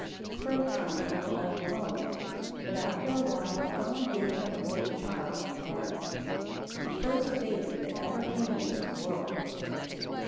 For a time they were all alone, but after a while God gave them a little child of their own, the first baby that ever came into the world.